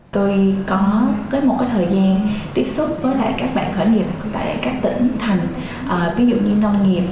tôi có một thời gian tiếp xúc với các bạn khởi nghiệp tại các tỉnh thành ví dụ như nông nghiệp